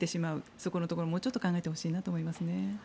そこのところをもうちょっと考えてほしいと思いますね。